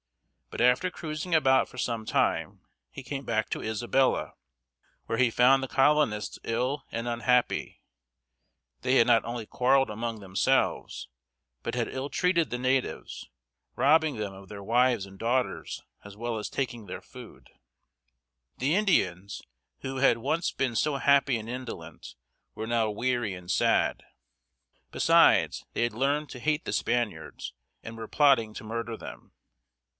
But after cruising about for some time, he came back to Isabella, where he found the colonists ill and unhappy. They had not only quarreled among themselves, but had illtreated the natives, robbing them of their wives and daughters, as well as taking their food. The Indians, who had once been so happy and indolent, were now weary and sad. Besides, they had learned to hate the Spaniards, and were plotting to murder them.